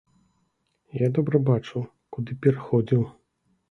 Я добра бачыў, куды пераходзіў.